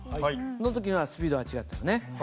その時にはスピードが違ったよね。